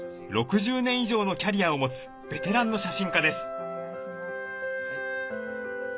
６０年以上のキャリアを持つベテランの写真家です。